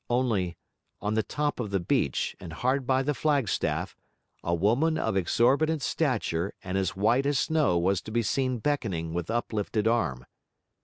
Only, on the top of the beach and hard by the flagstaff, a woman of exorbitant stature and as white as snow was to be seen beckoning with uplifted arm.